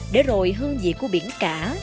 để rồi hương vị của biển cả